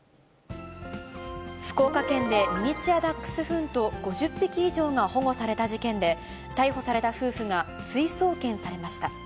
福岡県でミニチュアダックスフント５０匹以上が保護された事件で、逮捕された夫婦が追送検されました。